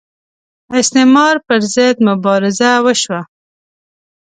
استعمار پر ضد مبارزه وشوه